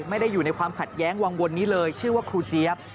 ไม่ได้อยู่ในความขัดแย้งวังวลนี้เลยชื่อว่าครูเจี๊ยบ